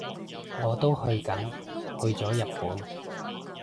我都去緊，去咗日本